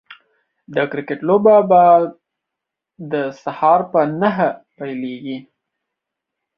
د کرکټ لوبه به د سهار په نهه پيليږي